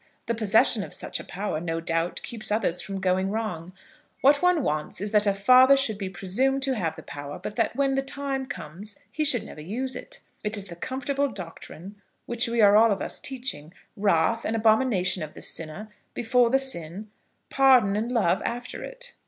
The possession of such a power, no doubt, keeps others from going wrong. What one wants is that a father should be presumed to have the power; but that when the time comes, he should never use it. It is the comfortable doctrine which we are all of us teaching; wrath, and abomination of the sinner, before the sin; pardon and love after it.